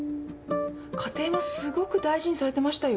家庭もすごく大事にされてましたよ。